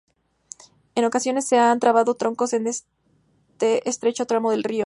En ocasiones se han trabado troncos en este estrecho tramo del río.